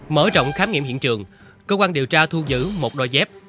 mở rộng khám nghiệm hiện trường cơ quan điều tra thu giữ một đôi dép